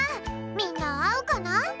みんなあうかな？